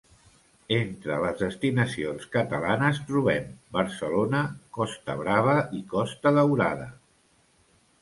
Entre les destinacions catalanes trobem Barcelona, Costa Brava i Costa Daurada.